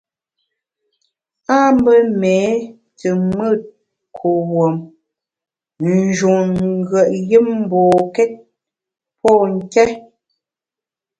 A mbe méé te mùt kuwuom, n’ njun ngùet yùm mbokét pô nké.